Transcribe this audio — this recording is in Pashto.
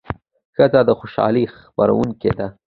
ښځه د خوشالۍ خپروونکې ده.